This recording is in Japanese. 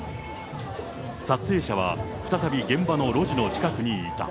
撮影者は再び現場の路地の近くにいた。